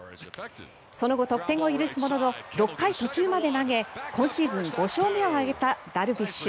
その後、得点を許すものの６回途中まで投げ今シーズン５勝目を挙げたダルビッシュ。